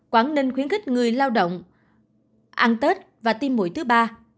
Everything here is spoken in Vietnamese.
quảng ninh khuyến khích người lao động ăn tết và tiêm mũi thứ ba